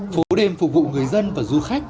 phố đêm phục vụ người dân và du khách